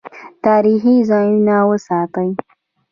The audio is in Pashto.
تاریخي ځایونه وساتئ